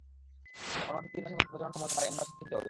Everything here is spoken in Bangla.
তবে অনধিক তিন মাসের মধ্যে প্রজননক্ষম হতে পারে এমন বাছুর কিনতে হবে।